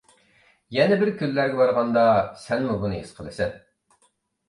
يەنە بىر كۈنلەرگە بارغاندا سەنمۇ بۇنى ھېس قىلىسەن.